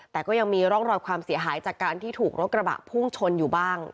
แต่ก็ยังมีร่องรอยความเสียหายจากการที่ถูกรถกระบะพุ่งชนอยู่บ้าง